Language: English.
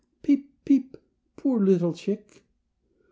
Peep! Peep!" Poor little chick!